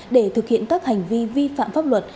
để thực hiện các hành vi vi phạm pháp luật